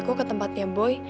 gue ke tempatnya boy